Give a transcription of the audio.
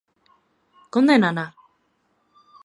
¿Condénana?